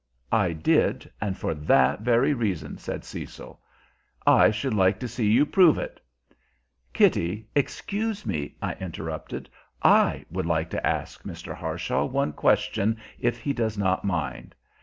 "I did, and for that very reason," said Cecil. "I should like to see you prove it!" "Kitty, excuse me," I interrupted. "I should like to ask Mr. Harshaw one question, if he does not mind.